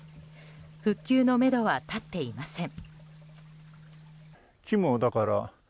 復旧のめどは立っていません。